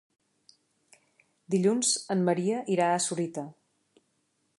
Dilluns en Maria irà a Sorita.